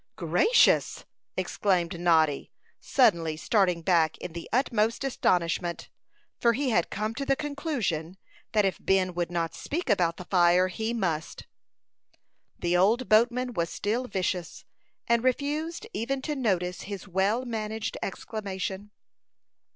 "Gracious!" exclaimed Noddy, suddenly starting back in the utmost astonishment; for he had come to the conclusion, that if Ben would not speak about the fire, he must. The old boatman was still vicious, and refused even to notice his well managed exclamation.